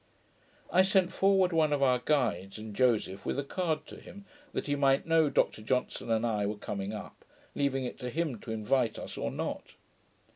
I sent forward one of our guides, and Joseph, with a card to him, that he might know Dr Johnson and I were coming up, leaving it to him to invite us or not.